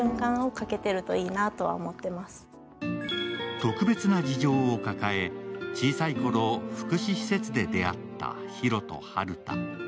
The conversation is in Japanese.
特別な事情を抱え、小さいころ福祉施設で出会ったヒロと晴太。